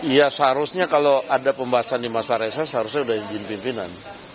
ya seharusnya kalau ada pembahasan di masa reses seharusnya sudah izin pimpinan